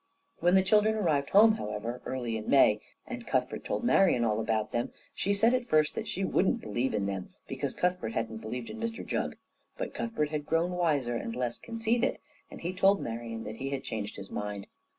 When the children arrived home, however, early in May, and Cuthbert told Marian all about them, she said at first that she wouldn't believe in them, because Cuthbert hadn't believed in Mr Jugg. But Cuthbert had grown wiser and less conceited, and he told Marian that he had changed his mind.